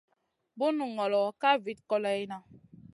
Bunu ŋolo ka vit kòleyna.